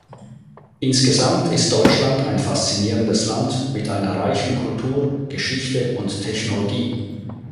Insgesamt ist Deutschland ein faszinierendes Land mit einer reichen Kultur, Geschichte und Technologie.